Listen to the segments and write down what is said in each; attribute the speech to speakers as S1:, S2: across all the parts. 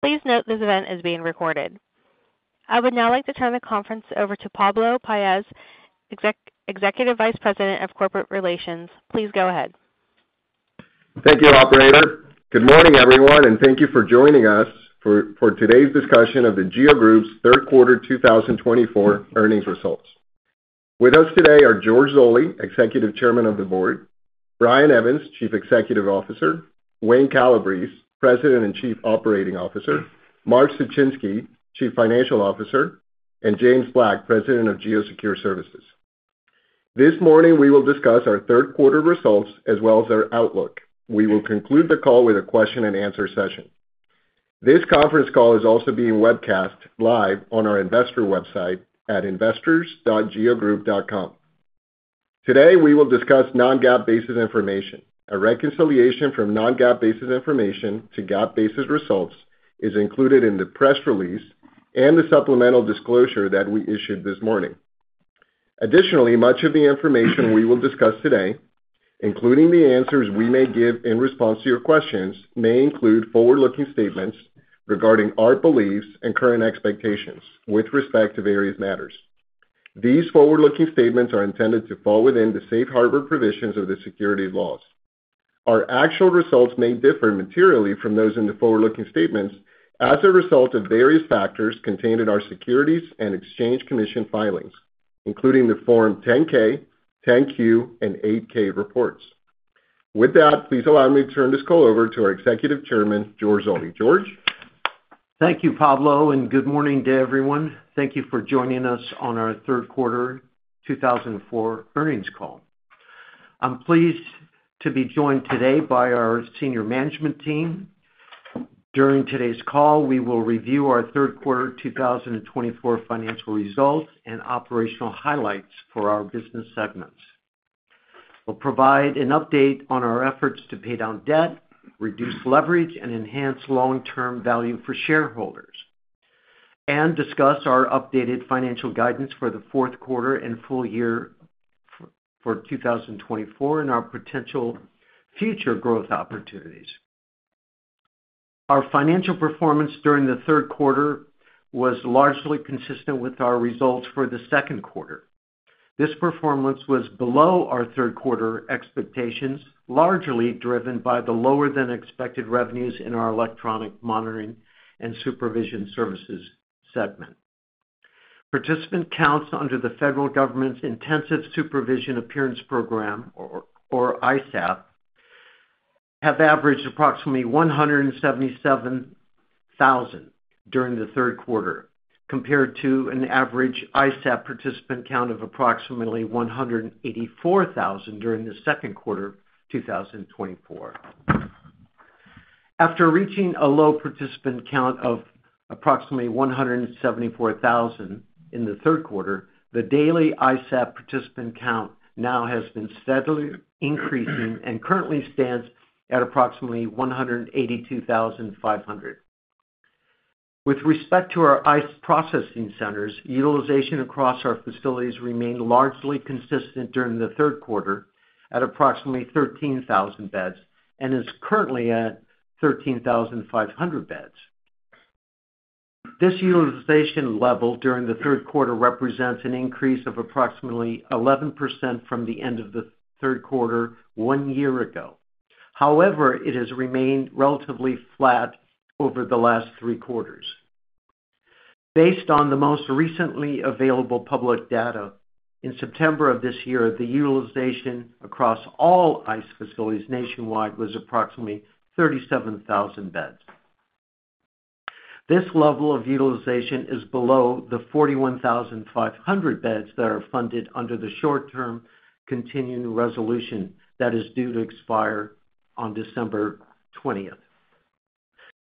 S1: Please note this event is being recorded. I would now like to turn the conference over to Pablo E. Paez, Executive Vice President of Corporate Relations. Please go ahead.
S2: Thank you, Operator. Good morning, everyone, and thank you for joining us for today's discussion of The GEO Group's Q3 2024 Earnings Results. With us today are George Zoley, Executive Chairman of the Board, Brian Evans, Chief Executive Officer, Wayne Calabrese, President and Chief Operating Officer, Mark Suchinski, Chief Financial Officer, and James Black, President of GEO Secure Services. This morning, we will discuss our Q3 results as well as our outlook. We will conclude the call with a question-and-answer session. This conference call is also being webcast live on our investor website at investors.geogroup.com. Today, we will discuss non-GAAP basis information. A reconciliation from non-GAAP basis information to GAAP basis results is included in the press release and the supplemental disclosure that we issued this morning. Additionally, much of the information we will discuss today, including the answers we may give in response to your questions, may include forward-looking statements regarding our beliefs and current expectations with respect to various matters. These forward-looking statements are intended to fall within the safe harbor provisions of the securities laws. Our actual results may differ materially from those in the forward-looking statements as a result of various factors contained in our Securities and Exchange Commission filings, including the Form 10-K, 10-Q, and 8-K reports. With that, please allow me to turn this call over to our Executive Chairman, George Zoley. George.
S3: Thank you, Pablo, and good morning to everyone. Thank you for joining us on our Q3 2024 Earnings Call. I'm pleased to be joined today by our senior management team. During today's call, we will review our Q3 2024 financial results and operational highlights for our business segments. We'll provide an update on our efforts to pay down debt, reduce leverage, and enhance long-term value for shareholders, and discuss our updated financial guidance for the Q4 and full year for 2024 and our potential future growth opportunities. Our financial performance during the Q3 was largely consistent with our results for the second quarter. This performance was below our Q3 expectations, largely driven by the lower-than-expected revenues in our electronic monitoring and supervision services segment. Participant counts under the federal government's Intensive Supervision Appearance Program, or ISAP, have averaged approximately 177,000 during the Q3, compared to an average ISAP participant count of approximately 184,000 during the second quarter 2024. After reaching a low participant count of approximately 174,000 in the Q3, the daily ISAP participant count now has been steadily increasing and currently stands at approximately 182,500. With respect to our ICE processing centers, utilization across our facilities remained largely consistent during the Q3 at approximately 13,000 beds and is currently at 13,500 beds. This utilization level during the Q3 represents an increase of approximately 11% from the end of the Q3 one year ago. However, it has remained relatively flat over the last three quarters. Based on the most recently available public data, in September of this year, the utilization across all ICE facilities nationwide was approximately 37,000 beds. This level of utilization is below the 41,500 beds that are funded under the short-term continuing resolution that is due to expire on December 20th.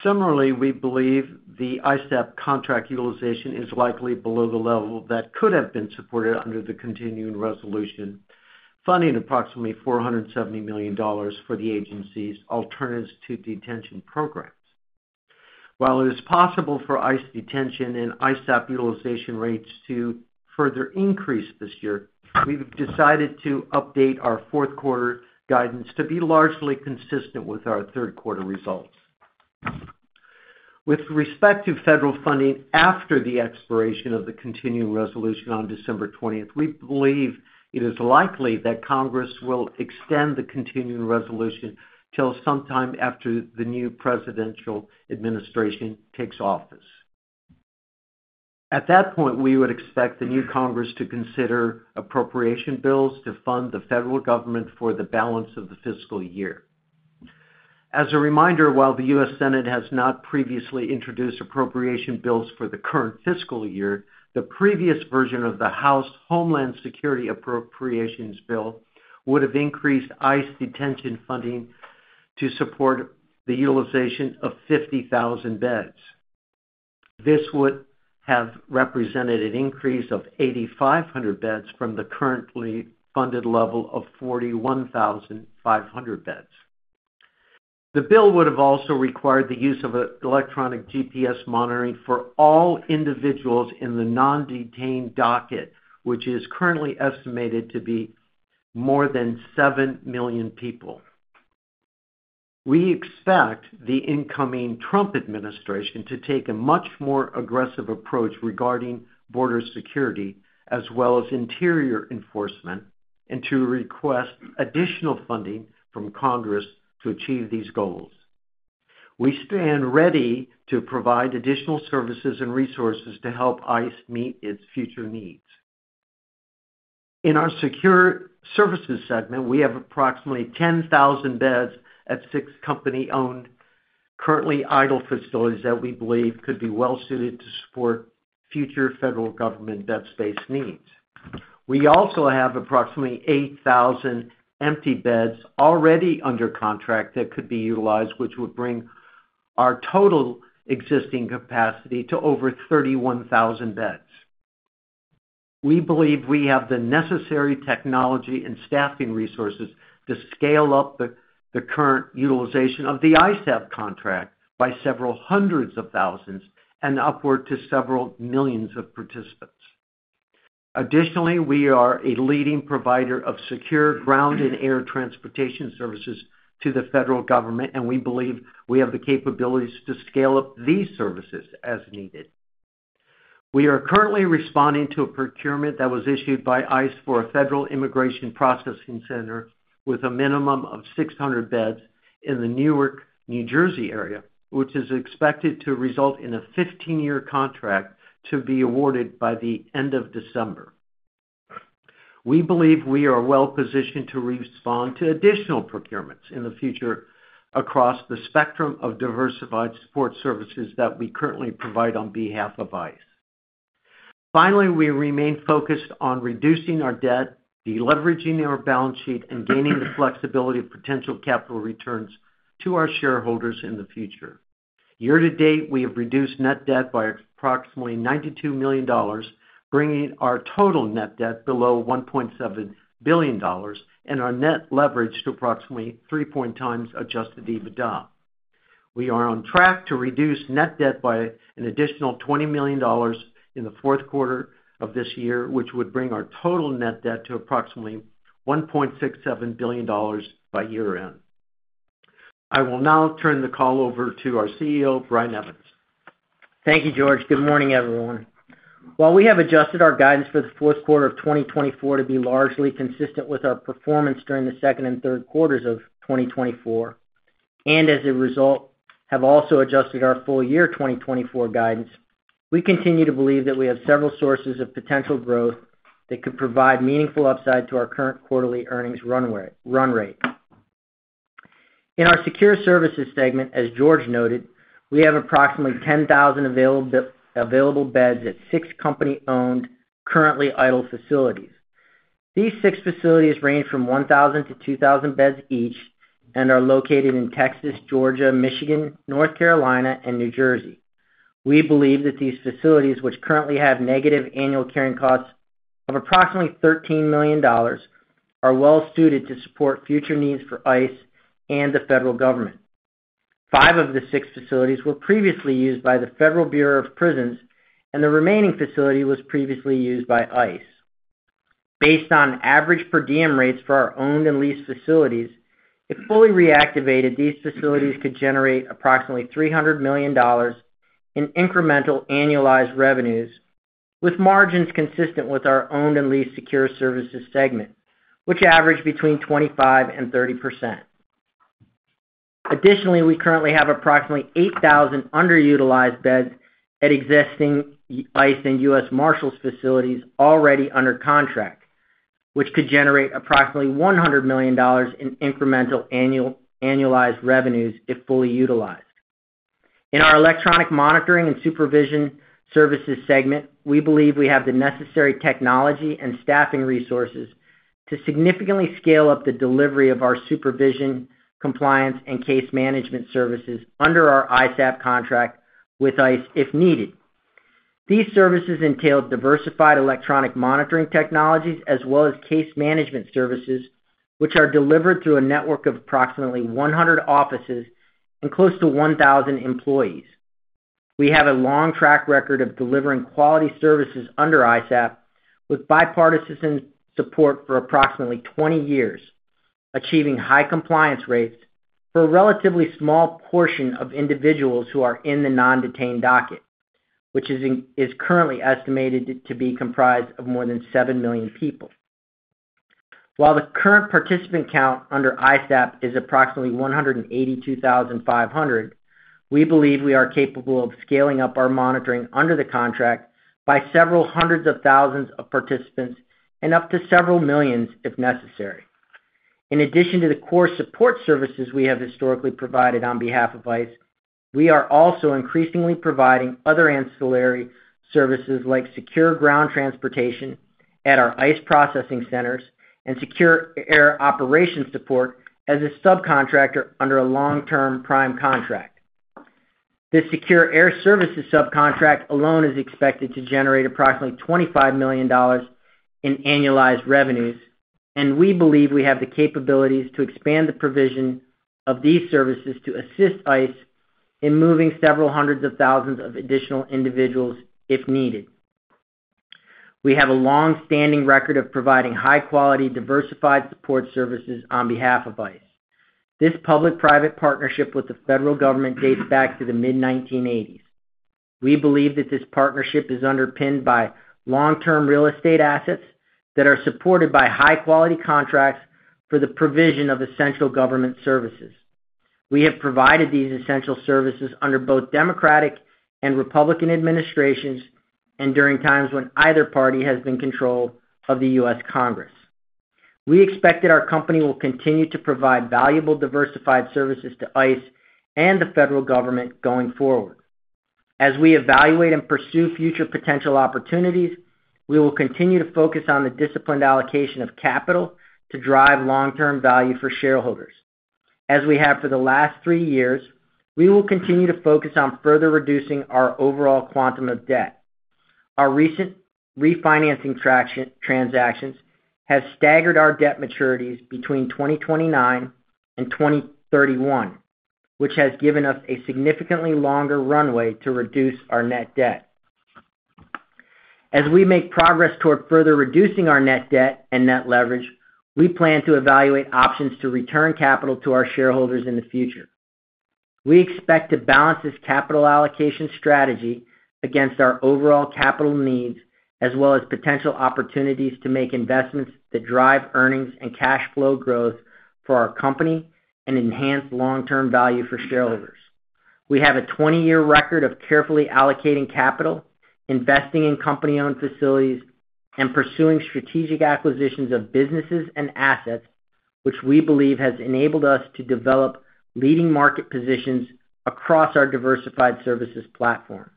S3: Similarly, we believe the ISAP contract utilization is likely below the level that could have been supported under the continuing resolution, funding approximately $470 million for the agency's alternatives to detention programs. While it is possible for ICE detention and ISAP utilization rates to further increase this year, we've decided to update our Q4 guidance to be largely consistent with our Q3 results. With respect to federal funding after the expiration of the continuing resolution on December 20, we believe it is likely that Congress will extend the continuing resolution till sometime after the new presidential administration takes office. At that point, we would expect the new Congress to consider appropriation bills to fund the federal government for the balance of the fiscal year. As a reminder, while the U.S. Senate has not previously introduced appropriation bills for the current fiscal year, the previous version of the House Homeland Security Appropriations Bill would have increased ICE detention funding to support the utilization of 50,000 beds. This would have represented an increase of 8,500 beds from the currently funded level of 41,500 beds. The bill would have also required the use of electronic GPS monitoring for all individuals in the Non-Detained Docket, which is currently estimated to be more than seven million people. We expect the incoming Trump administration to take a much more aggressive approach regarding border security as well as interior enforcement and to request additional funding from Congress to achieve these goals. We stand ready to provide additional services and resources to help ICE meet its future needs. In our secure services segment, we have approximately 10,000 beds at six company-owned, currently idle facilities that we believe could be well-suited to support future federal government bed space needs. We also have approximately 8,000 empty beds already under contract that could be utilized, which would bring our total existing capacity to over 31,000 beds. We believe we have the necessary technology and staffing resources to scale up the current utilization of the ISAP contract by several hundreds of thousands and upward to several millions of participants. Additionally, we are a leading provider of secure ground and air transportation services to the federal government, and we believe we have the capabilities to scale up these services as needed. We are currently responding to a procurement that was issued by ICE for a federal immigration processing center with a minimum of 600 beds in the Newark, New Jersey area, which is expected to result in a 15-year contract to be awarded by the end of December. We believe we are well-positioned to respond to additional procurements in the future across the spectrum of diversified support services that we currently provide on behalf of ICE. Finally, we remain focused on reducing our debt, deleveraging our balance sheet, and gaining the flexibility of potential capital returns to our shareholders in the future. Year to date, we have reduced net debt by approximately $92 million, bringing our total net debt below $1.7 billion and our net leverage to approximately 3.0 times Adjusted EBITDA. We are on track to reduce net debt by an additional $20 million in the Q4 of this year, which would bring our total net debt to approximately $1.67 billion by year-end. I will now turn the call over to our CEO, Brian Evans.
S4: Thank you, George. Good morning, everyone. While we have adjusted our guidance for the Q4 of 2024 to be largely consistent with our performance during the second and third quarters of 2024, and as a result, have also adjusted our full year 2024 guidance, we continue to believe that we have several sources of potential growth that could provide meaningful upside to our current quarterly earnings run rate. In our secure services segment, as George noted, we have approximately 10,000 available beds at six company-owned, currently idle facilities. These six facilities range from 1,000 to 2,000 beds each and are located in Texas, Georgia, Michigan, North Carolina, and New Jersey. We believe that these facilities, which currently have negative annual carrying costs of approximately $13 million, are well-suited to support future needs for ICE and the federal government. Five of the six facilities were previously used by the Federal Bureau of Prisons, and the remaining facility was previously used by ICE. Based on average per diem rates for our owned and leased facilities, if fully reactivated, these facilities could generate approximately $300 million in incremental annualized revenues with margins consistent with our owned and leased secure services segment, which average between 25% and 30%. Additionally, we currently have approximately 8,000 underutilized beds at existing ICE and U.S. Marshals facilities already under contract, which could generate approximately $100 million in incremental annualized revenues if fully utilized. In our electronic monitoring and supervision services segment, we believe we have the necessary technology and staffing resources to significantly scale up the delivery of our supervision, compliance, and case management services under our ISAP contract with ICE if needed. These services entail diversified electronic monitoring technologies as well as case management services, which are delivered through a network of approximately 100 offices and close to 1,000 employees. We have a long track record of delivering quality services under ISAP with bipartisan support for approximately 20 years, achieving high compliance rates for a relatively small portion of individuals who are in the non-detained docket, which is currently estimated to be comprised of more than seven million people. While the current participant count under ISAP is approximately 182,500, we believe we are capable of scaling up our monitoring under the contract by several hundreds of thousands of participants and up to several millions if necessary. In addition to the core support services we have historically provided on behalf of ICE, we are also increasingly providing other ancillary services like secure ground transportation at our ICE processing centers and secure air operation support as a subcontractor under a long-term prime contract. This secure air services subcontract alone is expected to generate approximately $25 million in annualized revenues, and we believe we have the capabilities to expand the provision of these services to assist ICE in moving several hundreds of thousands of additional individuals if needed. We have a long-standing record of providing high-quality, diversified support services on behalf of ICE. This public-private partnership with the federal government dates back to the mid-1980s. We believe that this partnership is underpinned by long-term real estate assets that are supported by high-quality contracts for the provision of essential government services. We have provided these essential services under both Democratic and Republican administrations and during times when either party has been in control of the U.S. Congress. We expect that our company will continue to provide valuable diversified services to ICE and the federal government going forward. As we evaluate and pursue future potential opportunities, we will continue to focus on the disciplined allocation of capital to drive long-term value for shareholders. As we have for the last three years, we will continue to focus on further reducing our overall quantum of debt. Our recent refinancing transactions have staggered our debt maturities between 2029 and 2031, which has given us a significantly longer runway to reduce our net debt. As we make progress toward further reducing our net debt and net leverage, we plan to evaluate options to return capital to our shareholders in the future. We expect to balance this capital allocation strategy against our overall capital needs as well as potential opportunities to make investments that drive earnings and cash flow growth for our company and enhance long-term value for shareholders. We have a 20-year record of carefully allocating capital, investing in company-owned facilities, and pursuing strategic acquisitions of businesses and assets, which we believe has enabled us to develop leading market positions across our diversified services platform.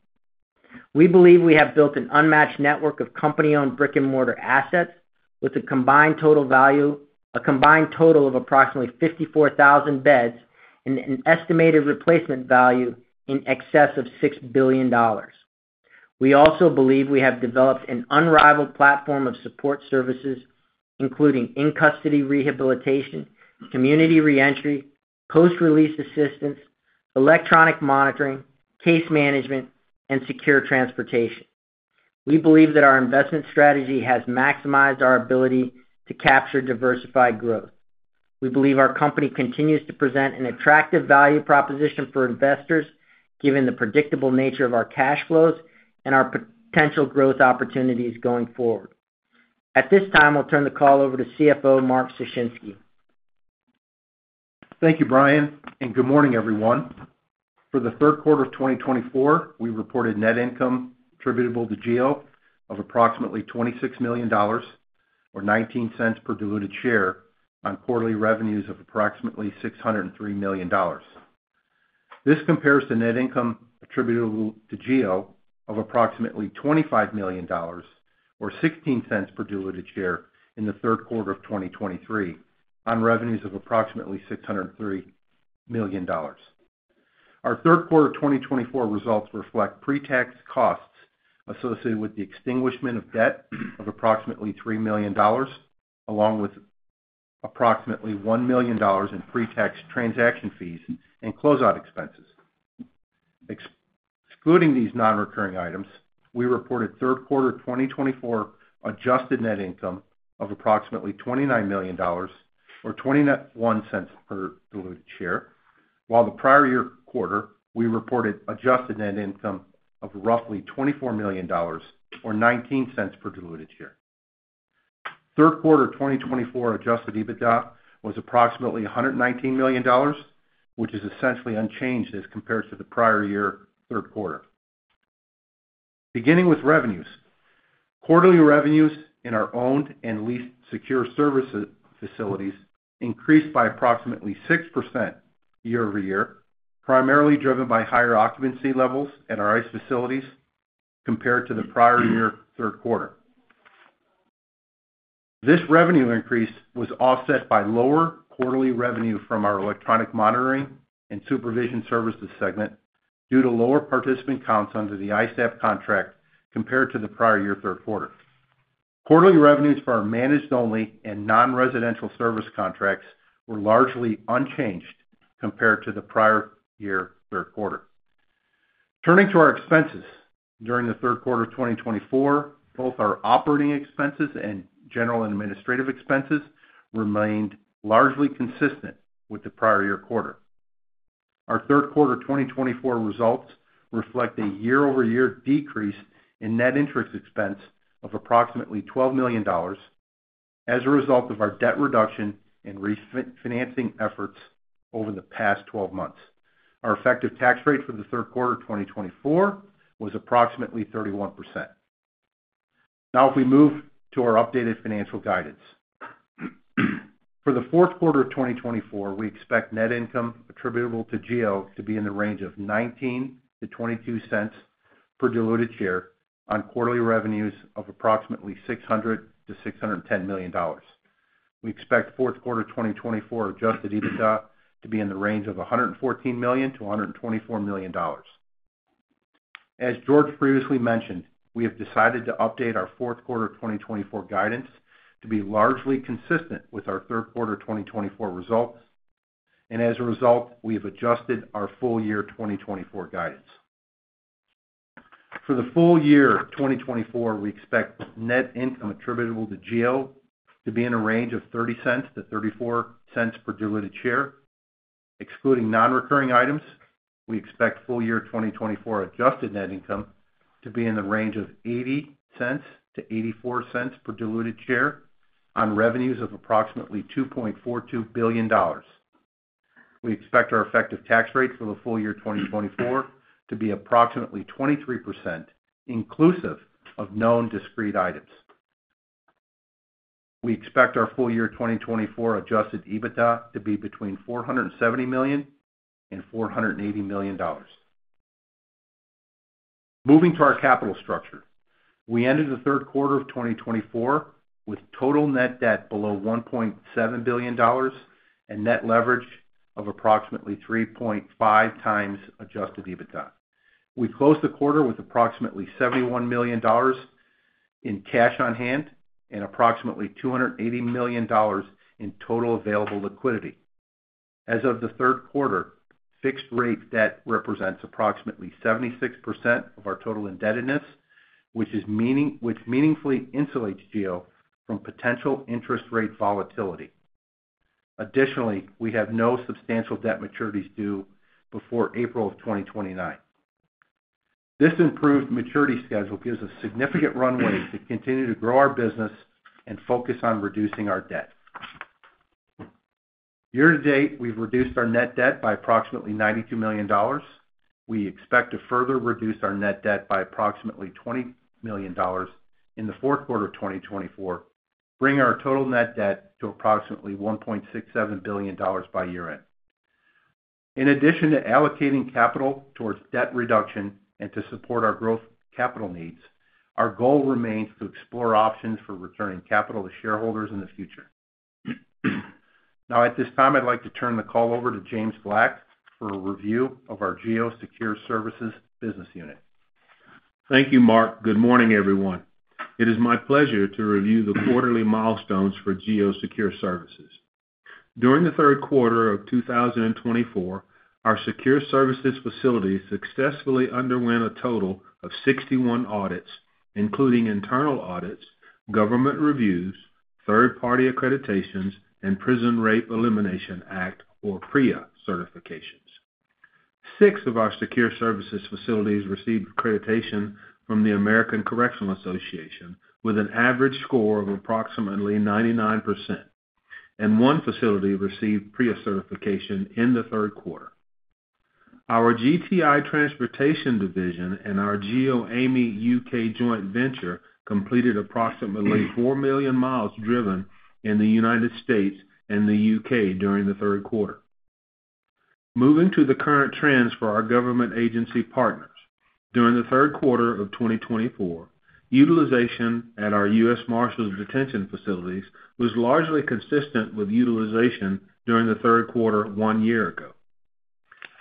S4: We believe we have built an unmatched network of company-owned brick-and-mortar assets with a combined total of approximately 54,000 beds and an estimated replacement value in excess of $6 billion. We also believe we have developed an unrivaled platform of support services, including in-custody rehabilitation, community reentry, post-release assistance, electronic monitoring, case management, and secure transportation. We believe that our investment strategy has maximized our ability to capture diversified growth. We believe our company continues to present an attractive value proposition for investors, given the predictable nature of our cash flows and our potential growth opportunities going forward. At this time, I'll turn the call over to CFO Mark Suchinski.
S5: Thank you, Brian, and good morning, everyone. For the Q3 of 2024, we reported net income attributable to GEO of approximately $26 million or 0.19 per diluted share on quarterly revenues of approximately $603 million. This compares to net income attributable to GEO of approximately $25 million or $0.16 per diluted share in Q3 of 2023 on revenues of approximately $603 million. Our Q3 2024 results reflect pre-tax costs associated with the extinguishment of debt of approximately $3 million, along with approximately $1 million in pre-tax transaction fees and closeout expenses. Excluding these non-recurring items, we reported Q3 2024 adjusted net income of approximately $29 million or 0.21 per diluted share, while the prior year quarter we reported adjusted net income of roughly $24 million or $0.19 per diluted share. Q3 2024 Adjusted EBITDA was approximately $119 million, which is essentially unchanged as compared to the prior year Q3. Beginning with revenues, quarterly revenues in our owned and leased secure service facilities increased by approximately 6% year over year, primarily driven by higher occupancy levels at our ICE facilities compared to the prior year Q3. This revenue increase was offset by lower quarterly revenue from our electronic monitoring and supervision services segment due to lower participant counts under the ISAP contract compared to the prior year Q3. Quarterly revenues for our managed-only and non-residential service contracts were largely unchanged compared to the prior year Q3. Turning to our expenses during the Q3 2024, both our operating expenses and general and administrative expenses remained largely consistent with the prior year quarter. Our Q3 2024 results reflect a year-over-year decrease in net interest expense of approximately $12 million as a result of our debt reduction and refinancing efforts over the past 12 months. Our effective tax rate for Q3 2024 was approximately 31%. Now, if we move to our updated financial guidance. For Q4 of 2024, we expect net income attributable to GEO to be in the range of $0.19-0.22 per diluted share on quarterly revenues of approximately $600-610 million. We expect Q4 2024 Adjusted EBITDA to be in the range of $114-124 million. As George previously mentioned, we have decided to update our Q4 2024 guidance to be largely consistent with our Q3 2024 results, and as a result, we have adjusted our full year 2024 guidance. For the full year 2024, we expect net income attributable to GEO to be in a range of $0.30 to 0.34 per diluted share. Excluding non-recurring items, we expect full year 2024 adjusted net income to be in the range of $0.80 to 0.84 per diluted share on revenues of approximately $2.42 billion. We expect our effective tax rate for the full year 2024 to be approximately 23% inclusive of known discrete items. We expect our full year 2024 Adjusted EBITDA to be between $470 and 480 million. Moving to our capital structure, we ended the Q3 of 2024 with total net debt below $1.7 billion and net leverage of approximately 3.5x Adjusted EBITDA. We closed the quarter with approximately $71 million in cash on hand and approximately $280 million in total available liquidity. As of the Q3, fixed-rate debt represents approximately 76% of our total indebtedness, which meaningfully insulates GEO from potential interest rate volatility. Additionally, we have no substantial debt maturities due before April of 2029. This improved maturity schedule gives us significant runway to continue to grow our business and focus on reducing our debt. Year to date, we've reduced our net debt by approximately $92 million. We expect to further reduce our net debt by approximately $20 million in the Q4 of 2024, bringing our total net debt to approximately $1.67 billion by year-end. In addition to allocating capital towards debt reduction and to support our growth capital needs, our goal remains to explore options for returning capital to shareholders in the future. Now, at this time, I'd like to turn the call over to James Black for a review of our GEO Secure Services business unit.
S6: Thank you, Mark. Good morning, everyone. It is my pleasure to review the quarterly milestones for GEO Secure Services. During Q3 of 2024, our secure services facilities successfully underwent a total of 61 audits, including internal audits, government reviews, third-party accreditations, and Prison Rape Elimination Act, or PREA, certifications. Six of our secure services facilities received accreditation from the American Correctional Association with an average score of approximately 99%, and one facility received PREA certification in the Q3. Our GTI Transportation division and our GEOAmey U.K. joint venture completed approximately four million miles driven in the United States and the U.K. during the Q3. Moving to the current trends for our government agency partners, during the Q3 of 2024, utilization at our U.S. Marshals detention facilities was largely consistent with utilization during the Q3 one year ago.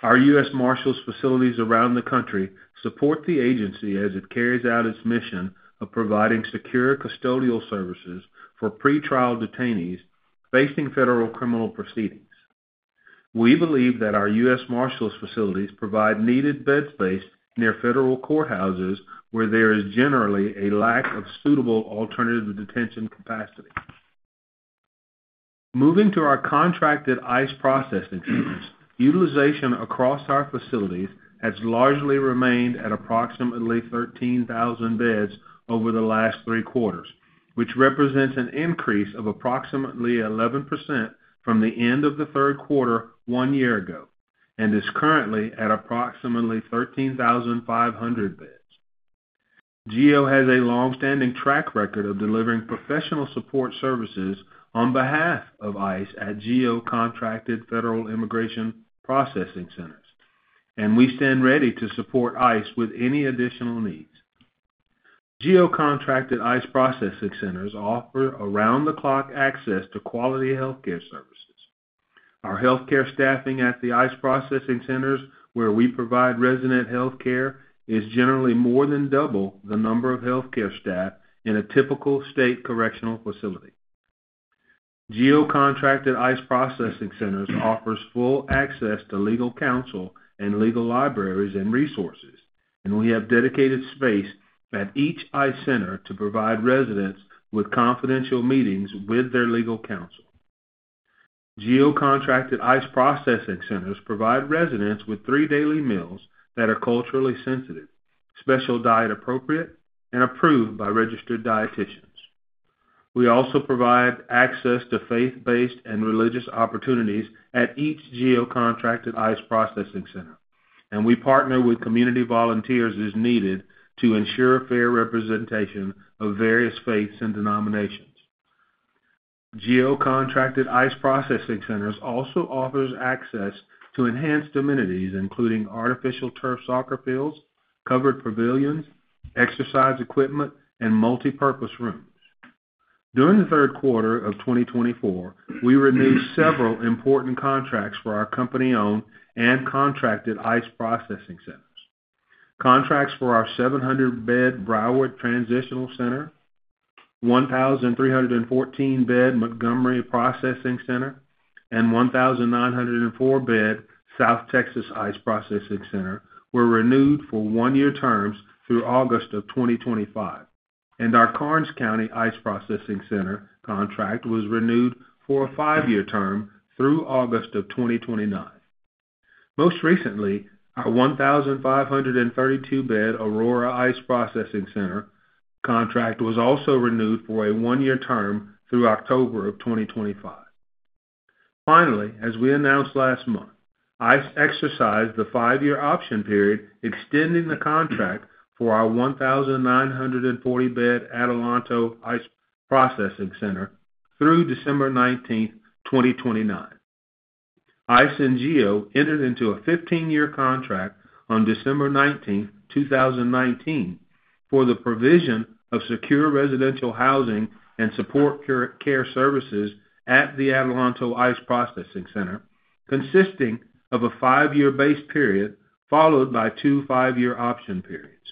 S6: Our U.S. Marshals facilities around the country support the agency as it carries out its mission of providing secure custodial services for pretrial detainees facing federal criminal proceedings. We believe that our U.S. Marshals facilities provide needed bed space near federal courthouses where there is generally a lack of suitable alternative detention capacity. Moving to our contracted ICE processing centers, utilization across our facilities has largely remained at approximately 13,000 beds over the last three quarters, which represents an increase of approximately 11% from the end of the Q3 one year ago and is currently at approximately 13,500 beds. GEO has a long-standing track record of delivering professional support services on behalf of ICE at GEO contracted federal immigration processing centers, and we stand ready to support ICE with any additional needs. GEO contracted ICE processing centers offer around-the-clock access to quality healthcare services. Our healthcare staffing at the ICE processing centers where we provide resident healthcare is generally more than double the number of healthcare staff in a typical state correctional facility. GEO-contracted ICE processing centers offer full access to legal counsel and legal libraries and resources, and we have dedicated space at each ICE center to provide residents with confidential meetings with their legal counsel. GEO-contracted ICE processing centers provide residents with three daily meals that are culturally sensitive, special-diet appropriate, and approved by registered dieticians. We also provide access to faith-based and religious opportunities at each GEO-contracted ICE processing center, and we partner with community volunteers as needed to ensure fair representation of various faiths and denominations. GEO-contracted ICE processing centers also offer access to enhanced amenities, including artificial turf soccer fields, covered pavilions, exercise equipment, and multipurpose rooms. During the Q3 of 2024, we renewed several important contracts for our company-owned and contracted ICE processing centers. Contracts for our 700-bed Broward Transitional Center, 1,314-bed Montgomery Processing Center, and 1,904-bed South Texas ICE Processing Center were renewed for one-year terms through August of 2025, and our Karnes County ICE Processing Center contract was renewed for a five-year term through August of 2029. Most recently, our 1,532-bed Aurora ICE Processing Center contract was also renewed for a one-year term through October of 2025. Finally, as we announced last month, ICE exercised the five-year option period, extending the contract for our 1,940-bed Adelanto ICE Processing Center through December 19, 2029. ICE and GEO entered into a 15-year contract on December 19, 2019, for the provision of secure residential housing and support care services at the Adelanto ICE Processing Center, consisting of a five-year base period followed by two five-year option periods.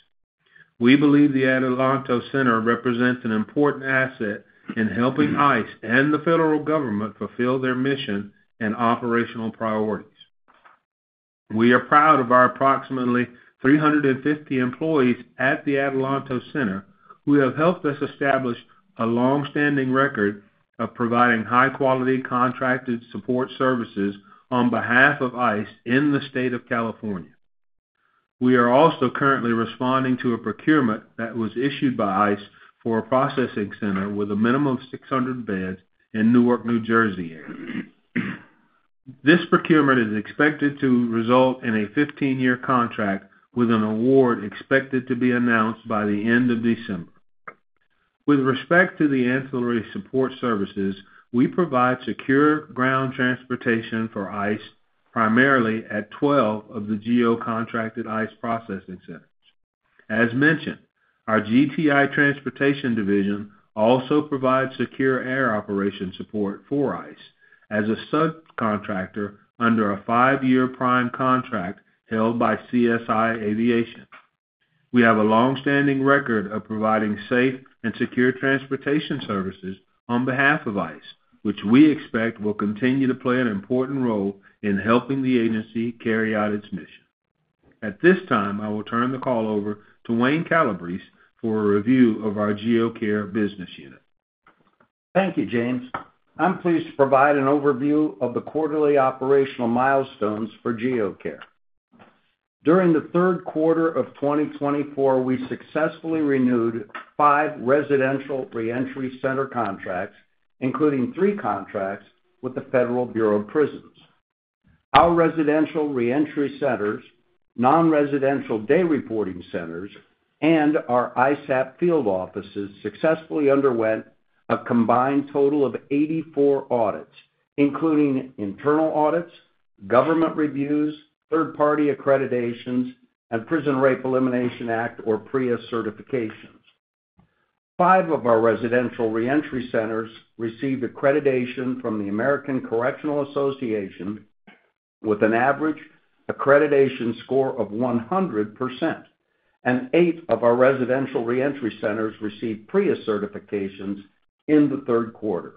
S6: We believe the Adelanto Center represents an important asset in helping ICE and the federal government fulfill their mission and operational priorities. We are proud of our approximately 350 employees at the Adelanto Center who have helped us establish a long-standing record of providing high-quality contracted support services on behalf of ICE in the state of California. We are also currently responding to a procurement that was issued by ICE for a processing center with a minimum of 600 beds in Newark, New Jersey area. This procurement is expected to result in a 15-year contract with an award expected to be announced by the end of December. With respect to the ancillary support services, we provide secure ground transportation for ICE primarily at 12 of the GEO-contracted ICE processing centers. As mentioned, our GTI Transportation division also provides secure air operation support for ICE as a subcontractor under a five-year prime contract held by CSI Aviation. We have a long-standing record of providing safe and secure transportation services on behalf of ICE, which we expect will continue to play an important role in helping the agency carry out its mission. At this time, I will turn the call over to Wayne Calabrese for a review of our GEO Care business unit.
S7: Thank you, James. I'm pleased to provide an overview of the quarterly operational milestones for GEO Care. During the Q3 of 2024, we successfully renewed five residential reentry center contracts, including three contracts with the Federal Bureau of Prisons. Our residential reentry centers, non-residential day reporting centers, and our ISAP field offices successfully underwent a combined total of 84 audits, including internal audits, government reviews, third-party accreditations, and Prison Rape Elimination Act, or PREA, certifications. Five of our residential reentry centers received accreditation from the American Correctional Association with an average accreditation score of 100%, and eight of our residential reentry centers received PREA certifications in Q3.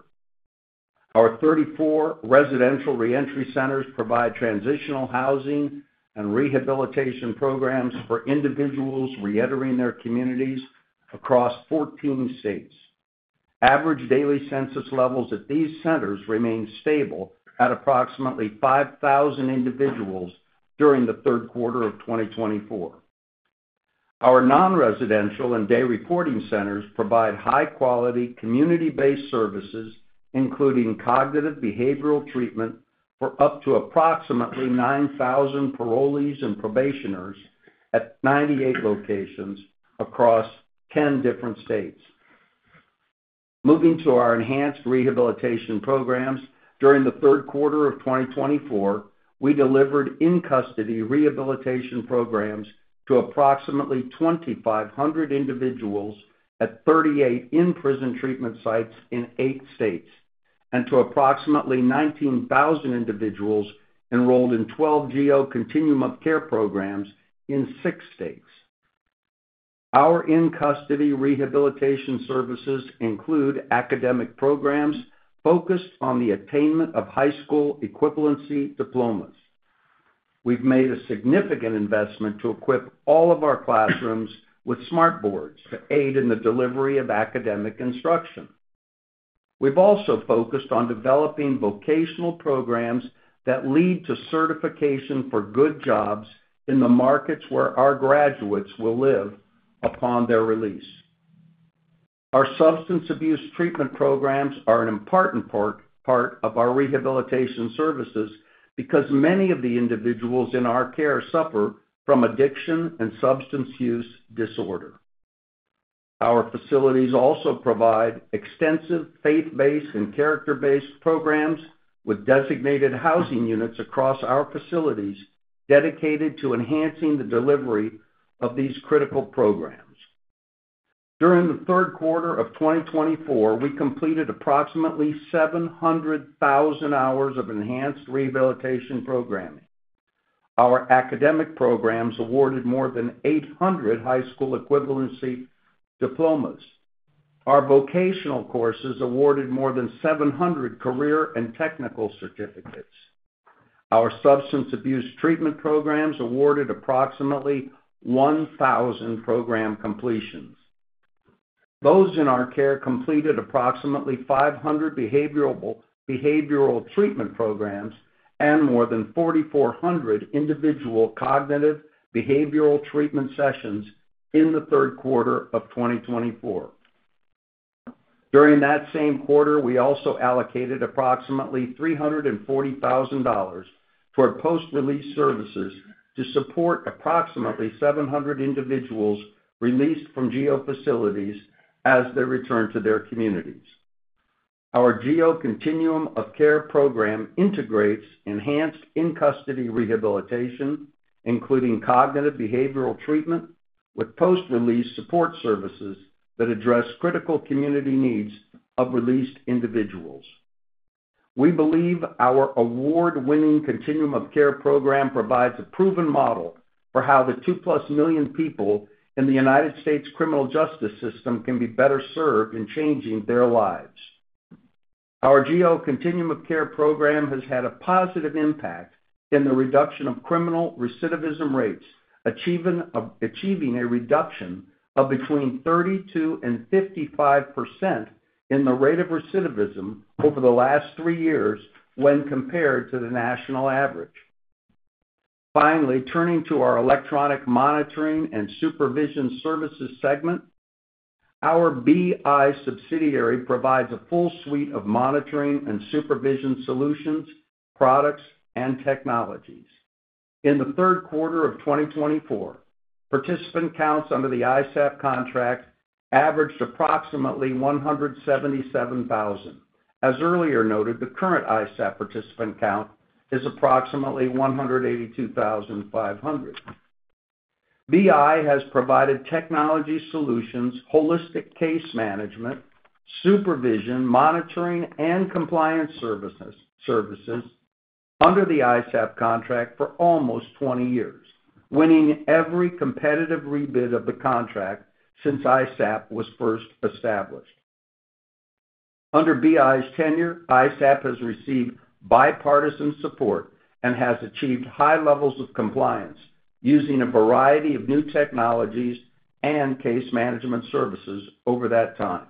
S7: Our 34 residential reentry centers provide transitional housing and rehabilitation programs for individuals reentering their communities across 14 states. Average daily census levels at these centers remain stable at approximately 5,000 individuals during Q3 of 2024. Our non-residential and day reporting centers provide high-quality community-based services, including cognitive behavioral treatment for up to approximately 9,000 parolees and probationers at 98 locations across 10 different states. Moving to our enhanced rehabilitation programs, during Q3 of 2024, we delivered in-custody rehabilitation programs to approximately 2,500 individuals at 38 in-prison treatment sites in eight states and to approximately 19,000 individuals enrolled in 12 GEO Continuum of Care programs in six states. Our in-custody rehabilitation services include academic programs focused on the attainment of high school equivalency diplomas. We've made a significant investment to equip all of our classrooms with smart boards to aid in the delivery of academic instruction. We've also focused on developing vocational programs that lead to certification for good jobs in the markets where our graduates will live upon their release. Our substance abuse treatment programs are an important part of our rehabilitation services because many of the individuals in our care suffer from addiction and substance use disorder. Our facilities also provide extensive faith-based and character-based programs with designated housing units across our facilities dedicated to enhancing the delivery of these critical programs. During Q3 of 2024, we completed approximately 700,000 hours of enhanced rehabilitation programming. Our academic programs awarded more than 800 high school equivalency diplomas. Our vocational courses awarded more than 700 career and technical certificates. Our substance abuse treatment programs awarded approximately 1,000 program completions. Those in our care completed approximately 500 behavioral treatment programs and more than 4,400 individual cognitive behavioral treatment sessions in Q3 of 2024. During that same quarter, we also allocated approximately $340,000 for post-release services to support approximately 700 individuals released from GEO facilities as they return to their communities. Our GEO Continuum of Care Program integrates enhanced in-custody rehabilitation, including cognitive behavioral treatment with post-release support services that address critical community needs of released individuals. We believe our award-winning Continuum of Care program provides a proven model for how the two plus million people in the United States criminal justice system can be better served in changing their lives. Our GEO Continuum of Care Program has had a positive impact in the reduction of criminal recidivism rates, achieving a reduction of between 32% and 55% in the rate of recidivism over the last three years when compared to the national average. Finally, turning to our electronic monitoring and supervision services segment, our BI subsidiary provides a full suite of monitoring and supervision solutions, products, and technologies. In the Q3 of 2024, participant counts under the ISAP contract averaged approximately 177,000. As earlier noted, the current ISAP participant count is approximately 182,500. BI has provided technology solutions, holistic case management, supervision, monitoring, and compliance services under the ISAP contract for almost 20 years, winning every competitive rebid of the contract since ISAP was first established. Under BI's tenure, ISAP has received bipartisan support and has achieved high levels of compliance using a variety of new technologies and case management services over that time.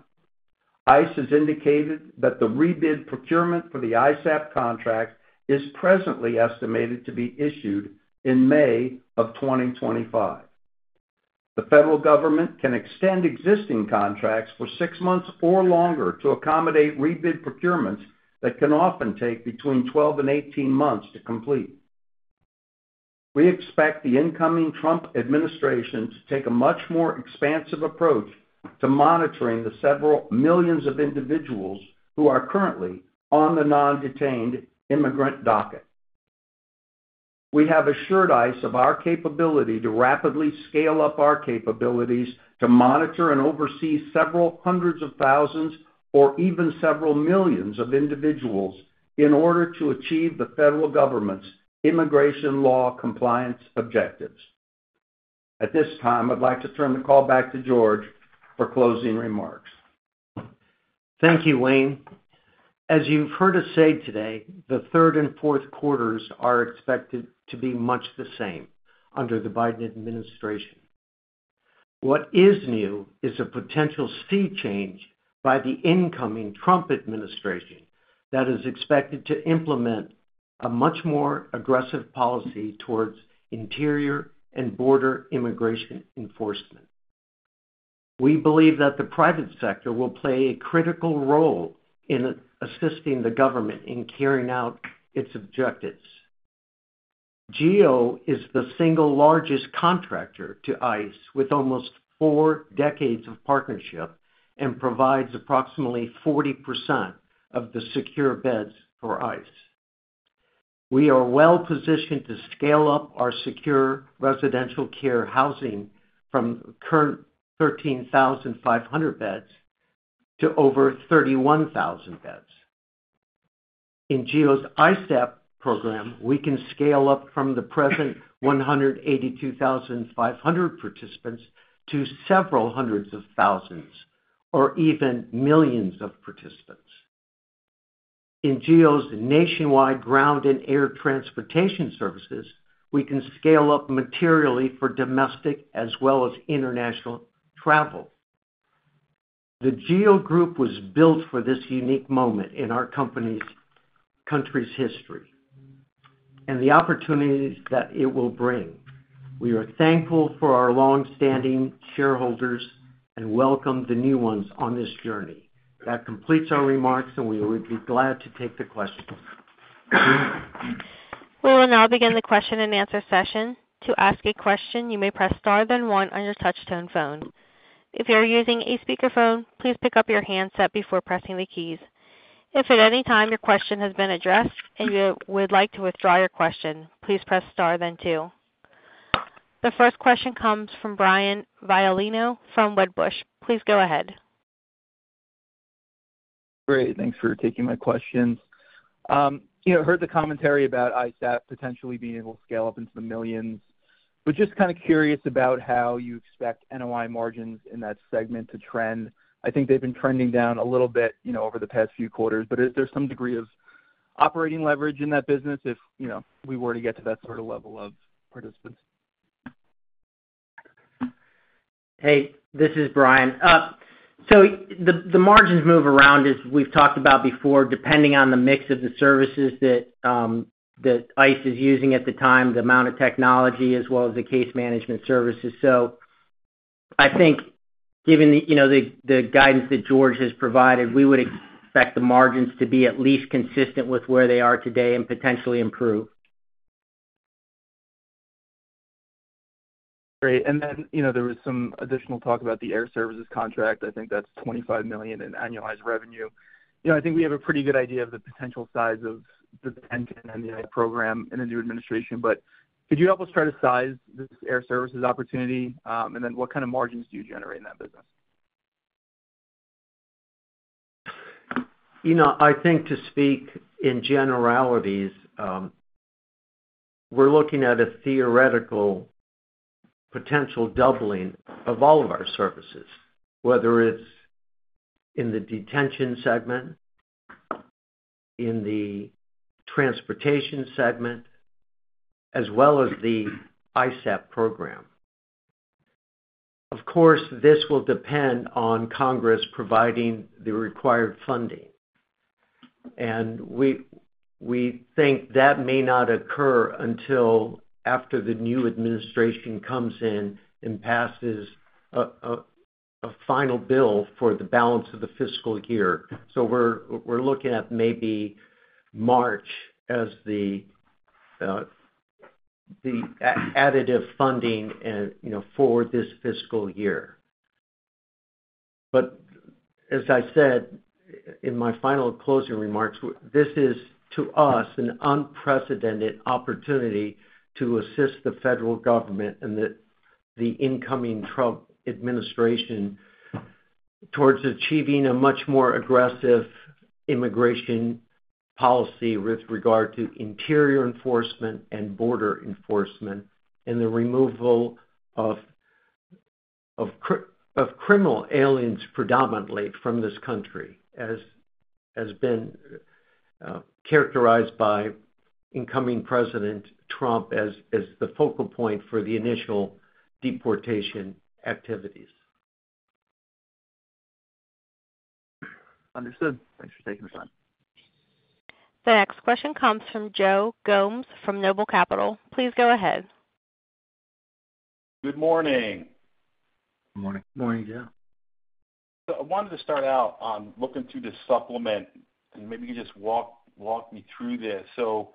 S7: ICE has indicated that the rebid procurement for the ISAP contract is presently estimated to be issued in May of 2025. The federal government can extend existing contracts for six months or longer to accommodate rebid procurements that can often take between 12 and 18 months to complete. We expect the incoming Trump administration to take a much more expansive approach to monitoring the several millions of individuals who are currently on the non-detained immigrant docket. We have assured ICE of our capability to rapidly scale up our capabilities to monitor and oversee several hundreds of thousands or even several millions of individuals in order to achieve the federal government's immigration law compliance objectives. At this time, I'd like to turn the call back to George for closing remarks.
S3: Thank you, Wayne. As you've heard us say today, the third and Q4s are expected to be much the same under the Biden administration. What is new is a potential sea change by the incoming Trump administration that is expected to implement a much more aggressive policy towards interior and border immigration enforcement. We believe that the private sector will play a critical role in assisting the government in carrying out its objectives. GEO is the single largest contractor to ICE with almost four decades of partnership and provides approximately 40% of the secure beds for ICE. We are well positioned to scale up our secure residential care housing from current 13,500 beds to over 31,000 beds. In GEO's ISAP program, we can scale up from the present 182,500 participants to several hundreds of thousands or even millions of participants. In GEO's nationwide ground and air transportation services, we can scale up materially for domestic as well as international travel. The GEO Group was built for this unique moment in our country's history and the opportunities that it will bring. We are thankful for our longstanding shareholders and welcome the new ones on this journey. That completes our remarks, and we would be glad to take the questions.
S1: Well, now I'll begin the question and answer session. To ask a question, you may press star then one on your touchtone phone. If you're using a speakerphone, please pick up your handset before pressing the keys. If at any time your question has been addressed and you would like to withdraw your question, please press star then two. The first question comes from Brian Violino from Wedbush. Please go ahead.
S8: Great. Thanks for taking my questions. You know, I heard the commentary about ISAP potentially being able to scale up into the millions, but just kind of curious about how you expect NOI margins in that segment to trend. I think they've been trending down a little bit, you know, over the past few quarters, but is there some degree of operating leverage in that business if, you know, we were to get to that sort of level of participants?
S4: Hey, this is Brian. So the margins move around, as we've talked about before, depending on the mix of the services that ICE is using at the time, the amount of technology, as well as the case management services. So I think given the, you know, the guidance that George has provided, we would expect the margins to be at least consistent with where they are today and potentially improve.
S8: Great. And then, you know, there was some additional talk about the air services contract. I think that's $25 million in annualized revenue. You know, I think we have a pretty good idea of the potential size of the detention and the program in the new administration, but could you help us try to size this air services opportunity? And then what kind of margins do you generate in that business?
S3: You know, I think to speak in generalities, we're looking at a theoretical potential doubling of all of our services, whether it's in the detention segment, in the transportation segment, as well as the ISAP program. Of course, this will depend on Congress providing the required funding, and we think that may not occur until after the new administration comes in and passes a final bill for the balance of the fiscal year, so we're looking at maybe March as the additive funding for this fiscal year. But as I said in my final closing remarks, this is to us an unprecedented opportunity to assist the federal government and the incoming Trump administration towards achieving a much more aggressive immigration policy with regard to interior enforcement and border enforcement and the removal of criminal aliens predominantly from this country, as has been characterized by incoming President Trump as the focal point for the initial deportation activities.
S8: Understood. Thanks for taking the time.
S1: The next question comes from Joe Gomes from Noble Capital. Please go ahead.
S9: Good morning.
S4: Good morning.
S3: Good morning, Joe.
S9: I wanted to start out looking through this supplement, and maybe you could just walk me through this. So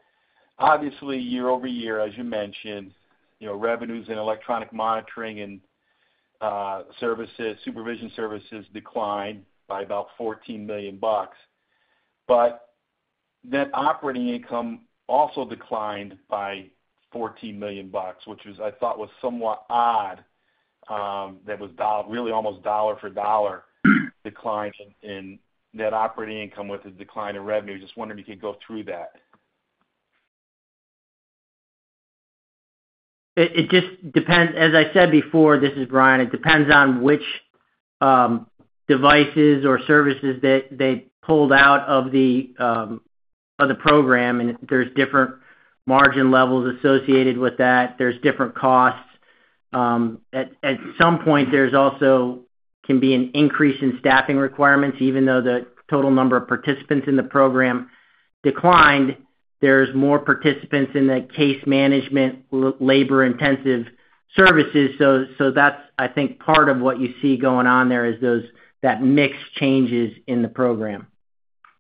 S9: obviously, year over year, as you mentioned, you know, revenues in electronic monitoring and supervision services declined by about $14 million. But net operating income also declined by $14 million, which I thought was somewhat odd that was really almost dollar for dollar declined in net operating income with a decline in revenue. Just wondering if you could go through that.
S4: It just depends. As I said before, this is Brian. It depends on which devices or services they pulled out of the program, and there's different margin levels associated with that. There's different costs. At some point, there also can be an increase in staffing requirements. Even though the total number of participants in the program declined, there's more participants in the case management labor-intensive services. So that's, I think, part of what you see going on there is that mix changes in the program.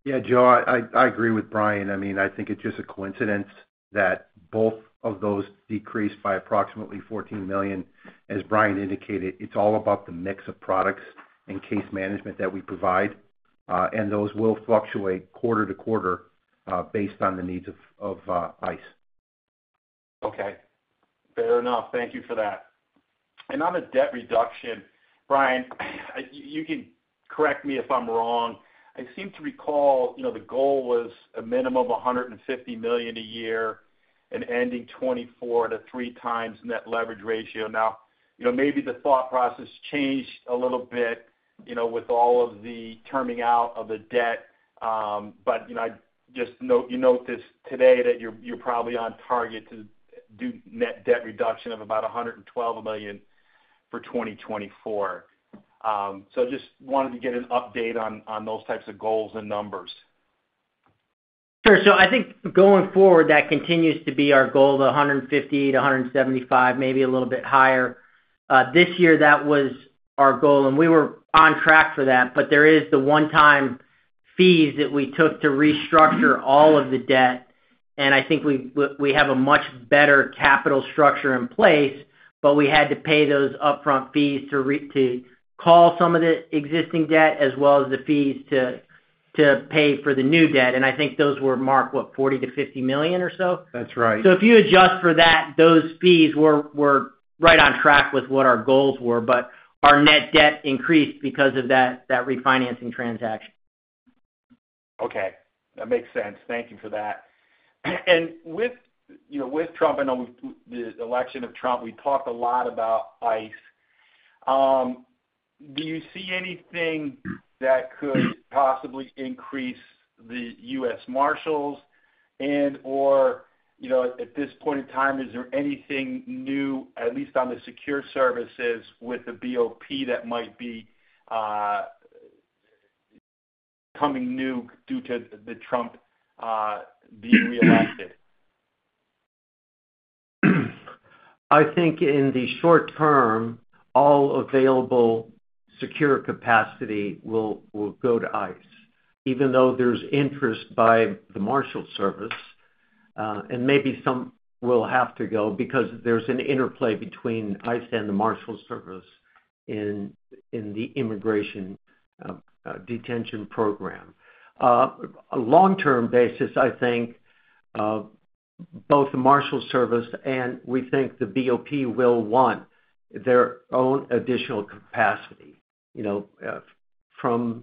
S3: Yeah, Joe, I agree with Brian. I mean, I think it's just a coincidence that both of those decreased by approximately $14 million. As Brian indicated, it's all about the mix of products and case management that we provide, and those will fluctuate quarter to quarter based on the needs of ICE.
S9: Okay. Fair enough. Thank you for that. And on the debt reduction, Brian, you can correct me if I'm wrong. I seem to recall, you know, the goal was a minimum of $150 million a year and ending 2024 to 3x net leverage ratio. Now, you know, maybe the thought process changed a little bit, you know, with all of the terming out of the debt. But, you know, I just know you note this today that you're probably on target to do net debt reduction of about $112 million for 2024. So just wanted to get an update on those types of goals and numbers.
S4: Sure. So I think going forward, that continues to be our goal, the 150-175, maybe a little bit higher. This year, that was our goal, and we were on track for that. But there is the one-time fees that we took to restructure all of the debt. And I think we have a much better capital structure in place, but we had to pay those upfront fees to call some of the existing debt as well as the fees to pay for the new debt. And I think those were marked, what, $40-50 million or so.
S9: That's right.
S4: So if you adjust for that, those fees were right on track with what our goals were, but our net debt increased because of that refinancing transaction.
S9: Okay. That makes sense. Thank you for that. And with, you know, with Trump, I know the election of Trump, we talked a lot about ICE. Do you see anything that could possibly increase the U.S. Marshals? And, or, you know, at this point in time, is there anything new, at least on the secure services with the BOP, that might be coming new due to the Trump being re-elected?
S3: I think in the short term, all available secure capacity will go to ICE, even though there's interest by the Marshals Service, and maybe some will have to go because there's an interplay between ICE and the Marshals Service in the immigration detention program. On a long-term basis, I think both the Marshals Service and we think the BOP will want their own additional capacity, you know, from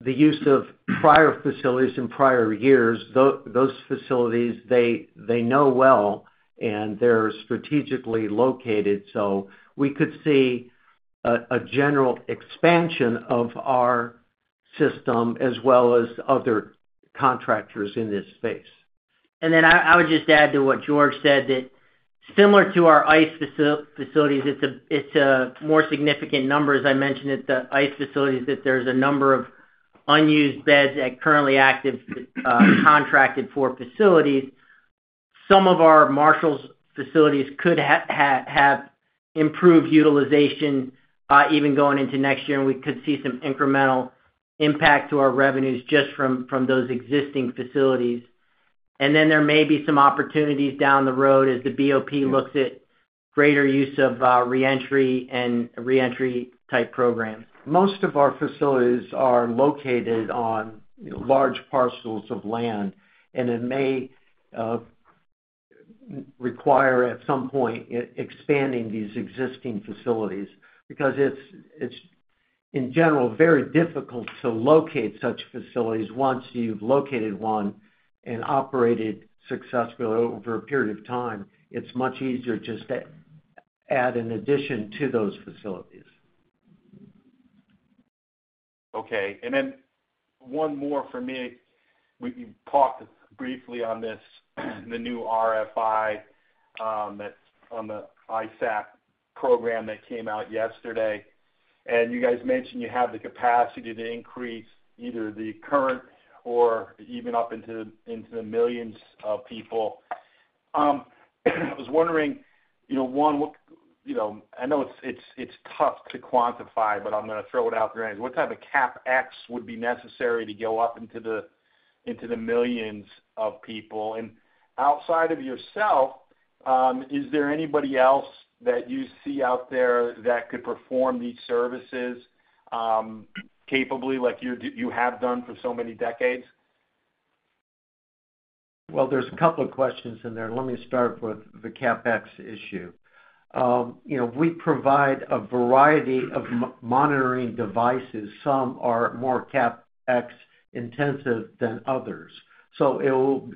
S3: the use of prior facilities in prior years. Those facilities, they know well, and they're strategically located, so we could see a general expansion of our system as well as other contractors in this space.
S4: And then I would just add to what George said, that similar to our ICE facilities, it's a more significant number, as I mentioned, at the ICE facilities, that there's a number of unused beds at currently active contracted for facilities. Some of our U.S. Marshals facilities could have improved utilization even going into next year, and we could see some incremental impact to our revenues just from those existing facilities, and then there may be some opportunities down the road as the BOP looks at greater use of re-entry and re-entry type programs.
S3: Most of our facilities are located on large parcels of land, and it may require at some point expanding these existing facilities because it's, in general, very difficult to locate such facilities once you've located one and operated successfully over a period of time. It's much easier just to add an addition to those facilities.
S9: Okay, and then one more for me. We talked briefly on this, the new RFI that's on the ISAP program that came out yesterday, and you guys mentioned you have the capacity to increase either the current or even up into the millions of people. I was wondering, you know, one, you know, I know it's tough to quantify, but I'm going to throw it out there. What type of CapEx would be necessary to go up into the millions of people? Outside of yourself, is there anybody else that you see out there that could perform these services capably like you have done for so many decades?
S3: There's a couple of questions in there. Let me start with the CapEx issue. You know, we provide a variety of monitoring devices. Some are more CapEx intensive than others. So it will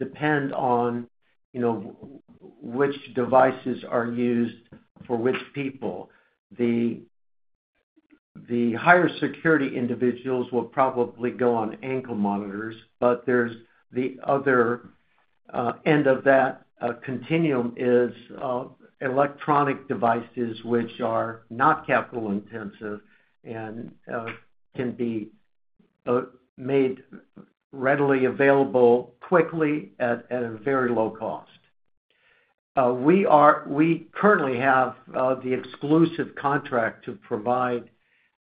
S3: depend on, you know, which devices are used for which people. The higher security individuals will probably go on ankle monitors, but there's the other end of that continuum is electronic devices, which are not capital intensive and can be made readily available quickly at a very low cost. We currently have the exclusive contract to provide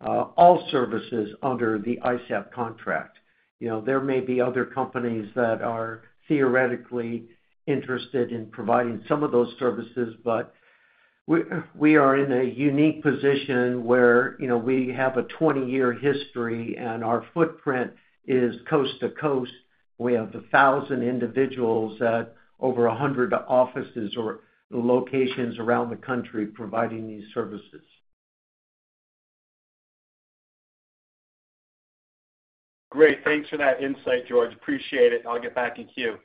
S3: all services under the ISAP contract. You know, there may be other companies that are theoretically interested in providing some of those services, but we are in a unique position where, you know, we have a 20-year history, and our footprint is coast to coast. We have 1,000 individuals at over 100 offices or locations around the country providing these services.
S9: Great. Thanks for that insight, George. Appreciate it. I'll get back in queue.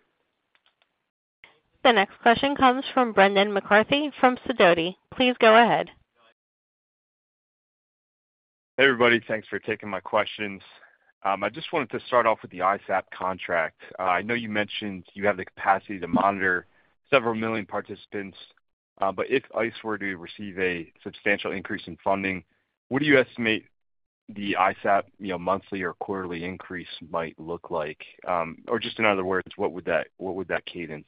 S1: The next question comes from Brendan McCarthy from Sidoti. Please go ahead.
S10: Hey, everybody. Thanks for taking my questions. I just wanted to start off with the ISAP contract. I know you mentioned you have the capacity to monitor several million participants, but if ICE were to receive a substantial increase in funding, what do you estimate the ISAP, you know, monthly or quarterly increase might look like? Or just in other words, what would that cadence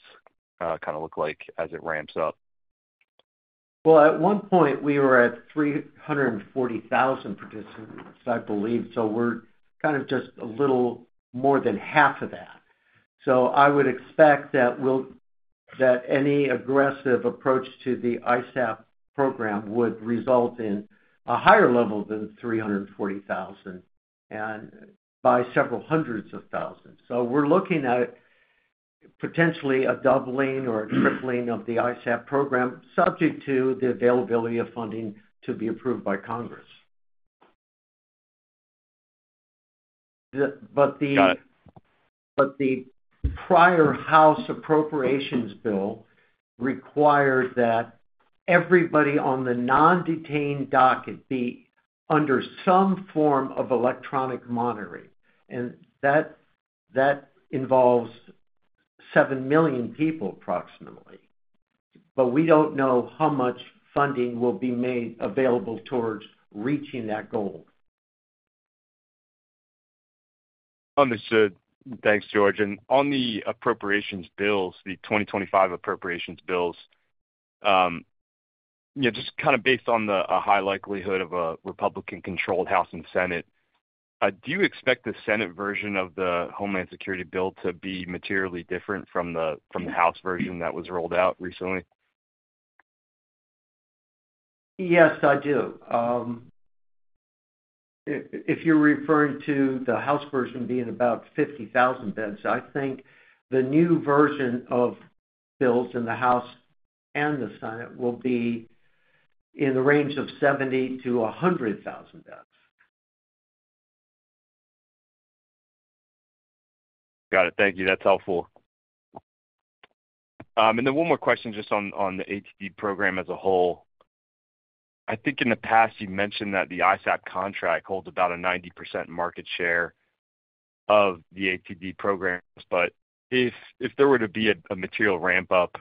S10: kind of look like as it ramps up?
S3: At one point, we were at 340,000 participants, I believe. We're kind of just a little more than half of that. I would expect that any aggressive approach to the ISAP program would result in a higher level than 340,000 and by several hundreds of thousands. We're looking at potentially a doubling or a tripling of the ISAP program, subject to the availability of funding to be approved by Congress. The prior House Appropriations Bill required that everybody on the non-detained docket be under some form of electronic monitoring. That involves seven million people approximately. We don't know how much funding will be made available towards reaching that goal.
S10: Understood. Thanks, George. And on the appropriations bills, the 2025 appropriations bills, you know, just kind of based on the high likelihood of a Republican-controlled House and Senate, do you expect the Senate version of the Homeland Security Bill to be materially different from the House version that was rolled out recently?
S3: Yes, I do. If you're referring to the House version being about 50,000 beds, I think the new version of bills in the House and the Senate will be in the range of 70-100,000 beds.
S10: Got it. Thank you. That's helpful. And then one more question just on the ATD program as a whole. I think in the past you mentioned that the ISAP contract holds about a 90% market share of the ATD program. But if there were to be a material ramp-up,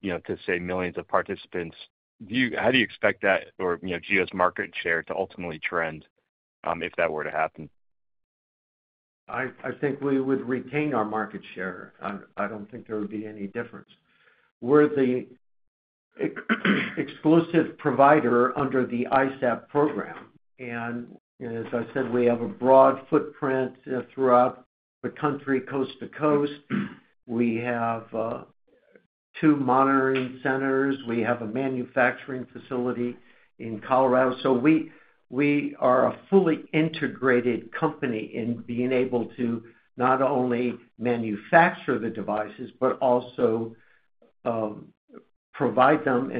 S10: you know, to say millions of participants, how do you expect that, or, you know, GEO's market share to ultimately trend if that were to happen?
S3: I think we would retain our market share. I don't think there would be any difference. We're the exclusive provider under the ISAP program, and as I said, we have a broad footprint throughout the country, coast to coast. We have two monitoring centers. We have a manufacturing facility in Colorado, so we are a fully integrated company in being able to not only manufacture the devices, but also provide them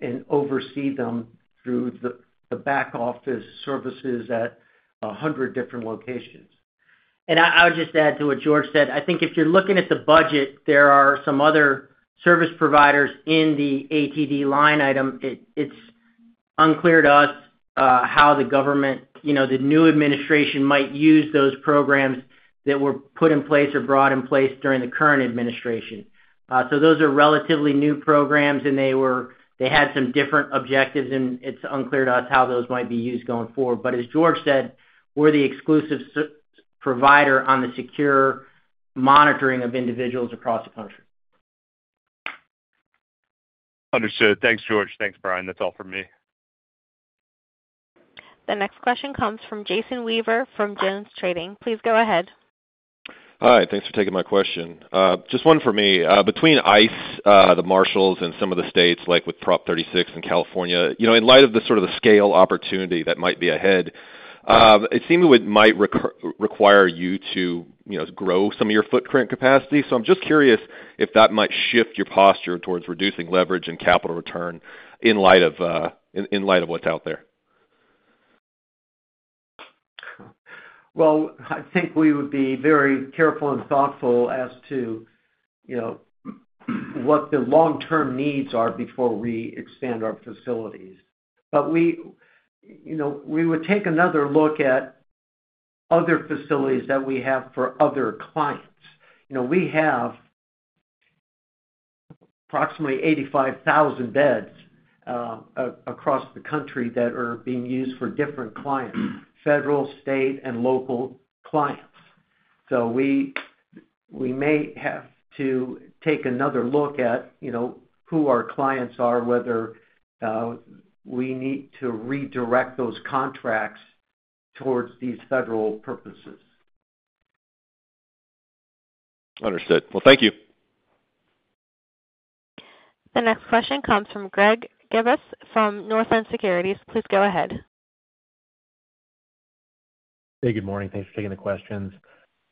S3: and oversee them through the back office services at 100 different locations.
S4: And I would just add to what George said. I think if you're looking at the budget, there are some other service providers in the ATD line item. It's unclear to us how the government, you know, the new administration might use those programs that were put in place or brought in place during the current administration. So those are relatively new programs, and they had some different objectives. And it's unclear to us how those might be used going forward. But as George said, we're the exclusive provider on the secure monitoring of individuals across the country.
S10: Understood. Thanks, George. Thanks, Brian. That's all for me.
S1: The next question comes from Jason Weaver from JonesTrading. Please go ahead.
S11: Hi. Thanks for taking my question. Just one for me. Between ICE, the marshals, and some of the states, like with Prop 36 in California, you know, in light of the sort of the scale opportunity that might be ahead, it seemed it might require you to, you know, grow some of your footprint capacity. So I'm just curious if that might shift your posture towards reducing leverage and capital return in light of what's out there.
S3: I think we would be very careful and thoughtful as to, you know, what the long-term needs are before we expand our facilities. But we, you know, we would take another look at other facilities that we have for other clients. You know, we have approximately 85,000 beds across the country that are being used for different clients, federal, state, and local clients. So we may have to take another look at, you know, who our clients are, whether we need to redirect those contracts towards these federal purposes.
S11: Understood. Well, thank you.
S1: The next question comes from Greg Gibas from Northland Securities. Please go ahead.
S12: Hey, good morning. Thanks for taking the questions.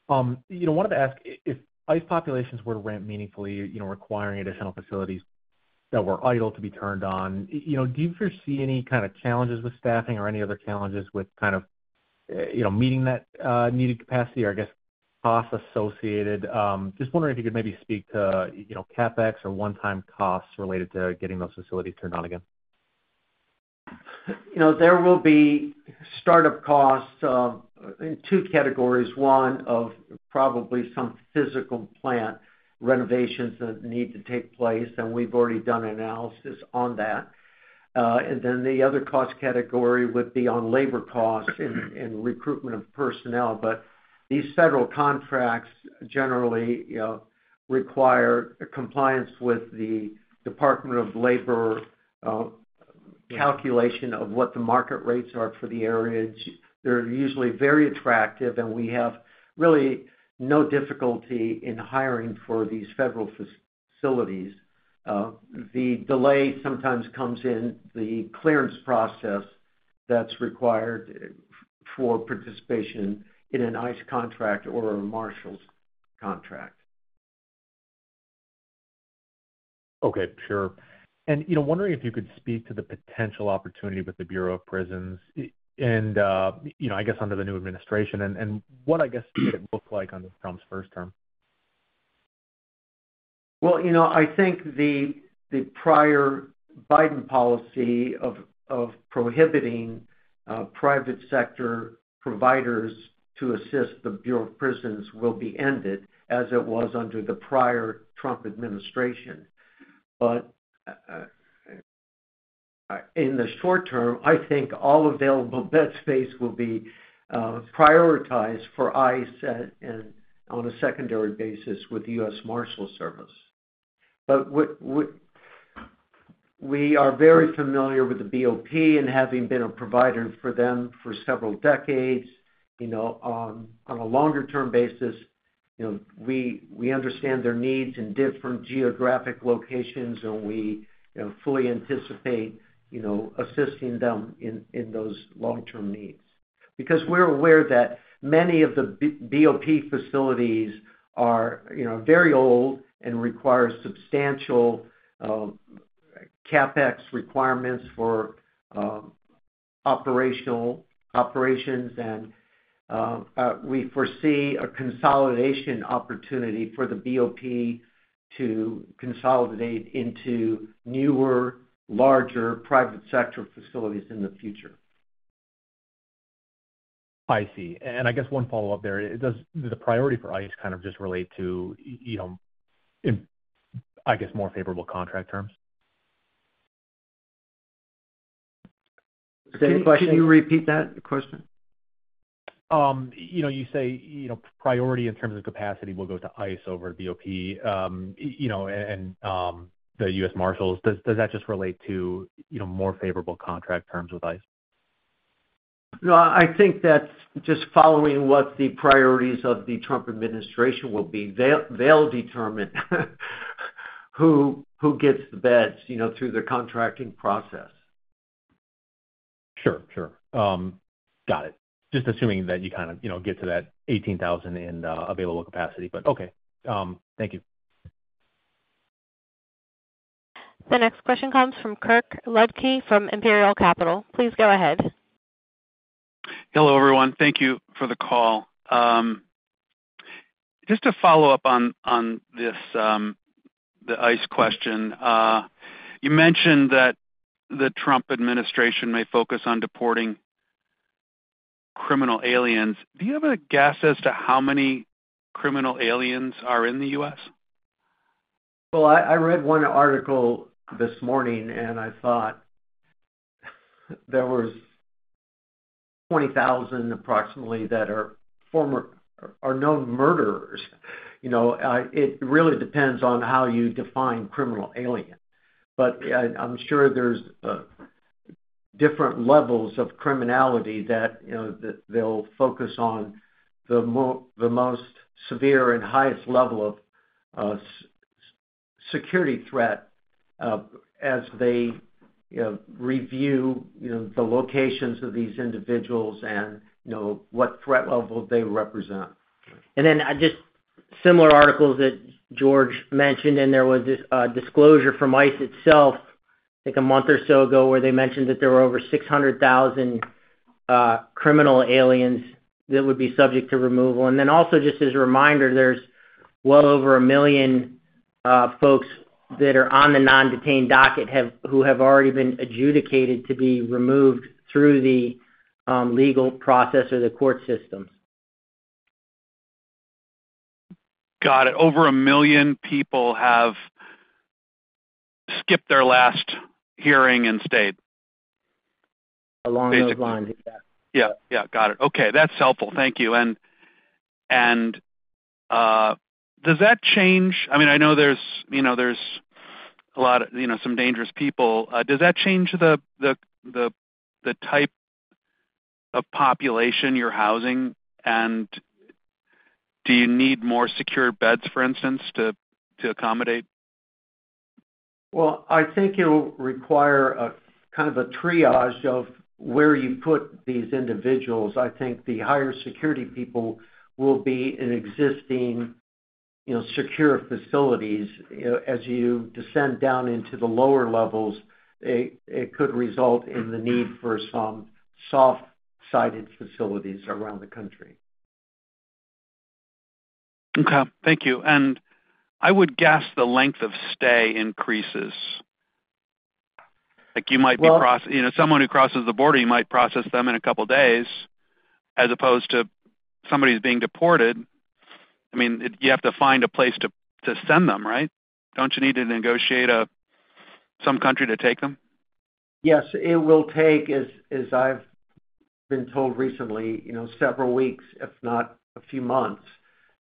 S12: You know, wanted to ask if ICE populations were to ramp meaningfully, you know, requiring additional facilities that were idle to be turned on, you know, do you foresee any kind of challenges with staffing or any other challenges with kind of, you know, meeting that needed capacity or, I guess, cost associated? Just wondering if you could maybe speak to, you know, CapEx or one-time costs related to getting those facilities turned on again.
S3: You know, there will be startup costs in two categories. One of probably some physical plant renovations that need to take place, and we've already done analysis on that, and then the other cost category would be on labor costs and recruitment of personnel, but these federal contracts generally, you know, require compliance with the Department of Labor calculation of what the market rates are for the area. They're usually very attractive, and we have really no difficulty in hiring for these federal facilities. The delay sometimes comes in the clearance process that's required for participation in an ICE contract or a marshals contract.
S12: Okay. Sure. And, you know, wondering if you could speak to the potential opportunity with the Bureau of Prisons and, you know, I guess under the new administration and what I guess it would look like under Trump's first term.
S3: You know, I think the prior Biden policy of prohibiting private sector providers to assist the Bureau of Prisons will be ended as it was under the prior Trump administration. But in the short term, I think all available bed space will be prioritized for ICE and on a secondary basis with the U.S. Marshals Service. But we are very familiar with the BOP and having been a provider for them for several decades. You know, on a longer-term basis, you know, we understand their needs in different geographic locations, and we, you know, fully anticipate, you know, assisting them in those long-term needs because we're aware that many of the BOP facilities are, you know, very old and require substantial CapEx requirements for operational operations. And we foresee a consolidation opportunity for the BOP to consolidate into newer, larger private sector facilities in the future.
S12: I see. And I guess one follow-up there. Does the priority for ICE kind of just relate to, you know, I guess, more favorable contract terms?
S7: Same question. Can you repeat that question?
S12: You know, you say, you know, priority in terms of capacity will go to ICE over BOP, you know, and the U.S. Marshals. Does that just relate to, you know, more favorable contract terms with ICE?
S3: No, I think that's just following what the priorities of the Trump administration will be. They'll determine who gets the beds, you know, through the contracting process.
S12: Sure. Sure. Got it. Just assuming that you kind of, you know, get to that 18,000 in available capacity. But okay. Thank you.
S1: The next question comes from Kirk Ludtke from Imperial Capital. Please go ahead.
S13: Hello, everyone. Thank you for the call. Just to follow up on this, the ICE question, you mentioned that the Trump administration may focus on deporting criminal aliens. Do you have a guess as to how many criminal aliens are in the U.S.?
S3: I read one article this morning, and I thought there were 20,000 approximately that are former or known murderers. You know, it really depends on how you define criminal alien. But I'm sure there's different levels of criminality that, you know, they'll focus on the most severe and highest level of security threat as they review, you know, the locations of these individuals and, you know, what threat level they represent.
S4: Then just similar articles that George mentioned, and there was a disclosure from ICE itself, I think a month or so ago, where they mentioned that there were over 600,000 criminal aliens that would be subject to removal. Then also just as a reminder, there's well over a million folks that are on the non-detained docket who have already been adjudicated to be removed through the legal process or the court systems.
S13: Got it. Over a million people have skipped their last hearing and stayed.
S3: Along those lines. Yeah.
S13: Yeah. Yeah. Got it. Okay. That's helpful. Thank you. And does that change? I mean, I know there's, you know, there's a lot of, you know, some dangerous people. Does that change the type of population you're housing? And do you need more secure beds, for instance, to accommodate?
S3: I think it will require a kind of a triage of where you put these individuals. I think the higher security people will be in existing, you know, secure facilities. As you descend down into the lower levels, it could result in the need for some soft-sided facilities around the country.
S13: Okay. Thank you. And I would guess the length of stay increases. Like, you might be crossing, you know, someone who crosses the border, you might process them in a couple of days as opposed to somebody who's being deported. I mean, you have to find a place to send them, right? Don't you need to negotiate some country to take them?
S3: Yes. It will take, as I've been told recently, you know, several weeks, if not a few months,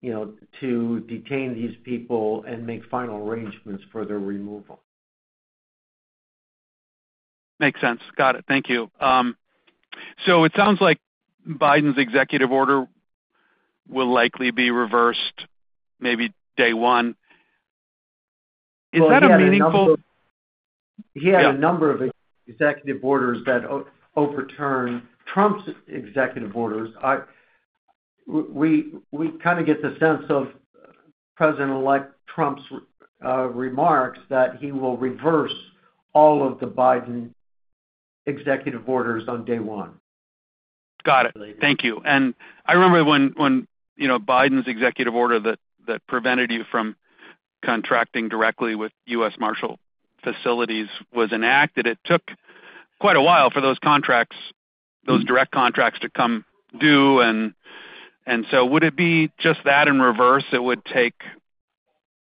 S3: you know, to detain these people and make final arrangements for their removal.
S13: Makes sense. Got it. Thank you. So it sounds like Biden's executive order will likely be reversed maybe day one. Is that meaningful?
S3: He had a number of executive orders that overturned Trump's executive orders. We kind of get the sense of President-elect Trump's remarks that he will reverse all of the Biden executive orders on day one.
S13: Got it. Thank you. And I remember when, you know, Biden's executive order that prevented you from contracting directly with U.S. Marshals facilities was enacted, it took quite a while for those contracts, those direct contracts to come due. And so would it be just that in reverse? It would take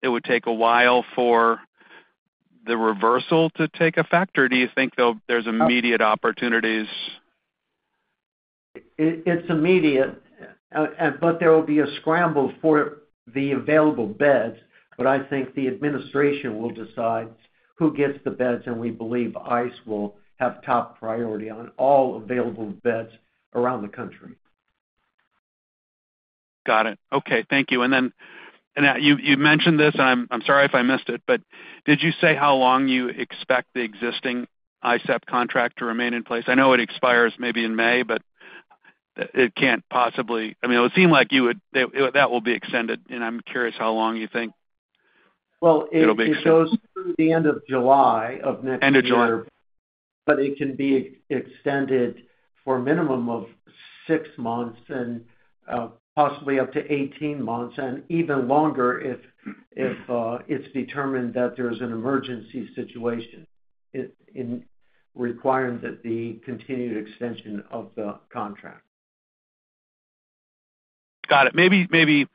S13: a while for the reversal to take effect, or do you think there's immediate opportunities?
S3: It's immediate, but there will be a scramble for the available beds. But I think the administration will decide who gets the beds. And we believe ICE will have top priority on all available beds around the country.
S13: Got it. Okay. Thank you. And then you mentioned this, and I'm sorry if I missed it, but did you say how long you expect the existing ICE contract to remain in place? I know it expires maybe in May, but it can't possibly, I mean, it would seem like you would, that will be extended. And I'm curious how long you think it'll be extended.
S3: It goes through the end of July of next year.
S13: End of July.
S3: But it can be extended for a minimum of six months and possibly up to 18 months and even longer if it's determined that there's an emergency situation requiring the continued extension of the contract.
S13: Got it. Maybe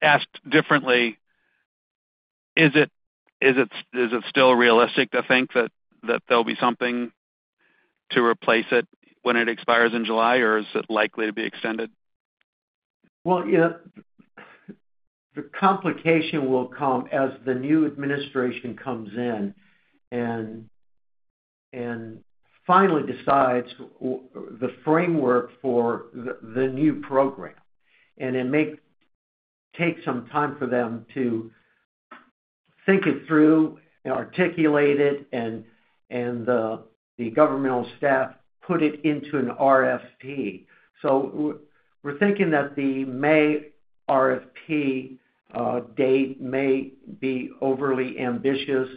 S13: asked differently, is it still realistic to think that there'll be something to replace it when it expires in July, or is it likely to be extended?
S3: You know, the complication will come as the new administration comes in and finally decides the framework for the new program, and it may take some time for them to think it through and articulate it, and the governmental staff put it into an RFP. We're thinking that the May RFP date may be overly ambitious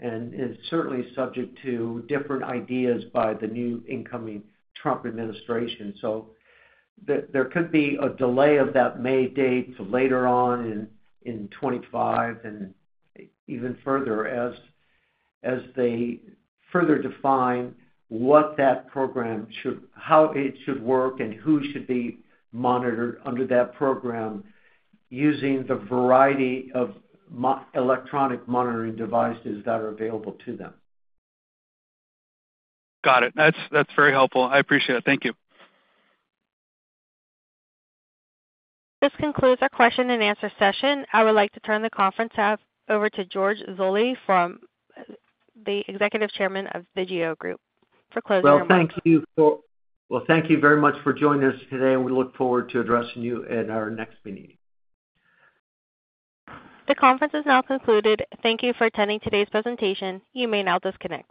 S3: and is certainly subject to different ideas by the new incoming Trump administration, so there could be a delay of that May date to later on in 2025 and even further as they further define what that program should, how it should work, and who should be monitored under that program using the variety of electronic monitoring devices that are available to them.
S13: Got it. That's very helpful. I appreciate it. Thank you.
S1: This concludes our question and answer session. I would like to turn the conference over to George Zoley, our Executive Chairman of The GEO Group, for closing remarks.
S3: Thank you very much for joining us today. We look forward to addressing you at our next meeting.
S1: The conference is now concluded. Thank you for attending today's presentation. You may now disconnect.